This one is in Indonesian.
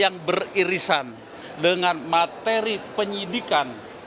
yang beririsan dengan materi penyidikan